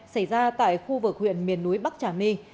xảy ra tại khu vực huyện miền núi bắc trà my